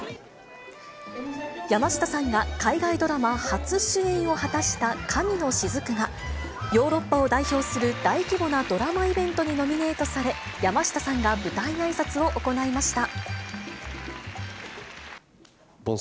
山下さんが海外ドラマ初主演を果たした神の雫が、ヨーロッパを代表する大規模なドラマイベントにノミネートされ、山下さんが舞台あいさつを行いました。